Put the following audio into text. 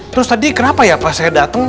terus tadi kenapa ya pas saya datang